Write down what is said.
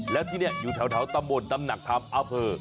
และที่นี่อยู่เท้าตำบลดำหนักทำอาเภอ